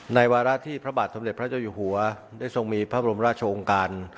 วาระที่พระบาทสมเด็จพระเจ้าอยู่หัวได้ทรงมีพระบรมราชองค์การ